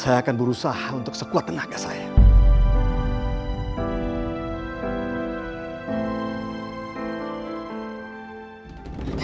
saya akan berusaha untuk sekuat tenaga saya